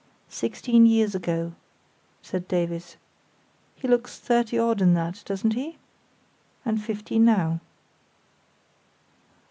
"Sixteen years ago," said Davies. "He looks thirty odd in that, doesn't he? And fifty now."